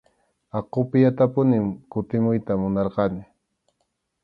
Aqupiyatapunim kutimuyta munarqani.